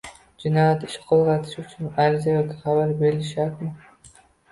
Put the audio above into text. Jinoyat ishi qo‘zg‘atish uchun ariza yoki xabar berilishi shartmi?